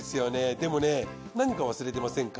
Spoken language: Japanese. でもね何か忘れてませんか？